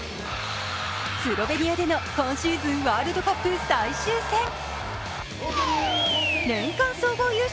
スロベニアでの今シーズンワールドカップ最終戦。